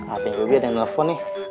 artinya bobi ada yang nelfon nih